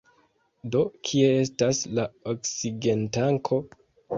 Do, kie estas la oksigentanko?